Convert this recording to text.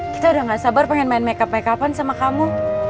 kita udah gak sabar pengen main makeup makeupan sama kamu